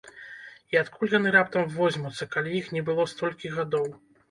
І адкуль яны раптам возьмуцца, калі іх не было столькі гадоў?!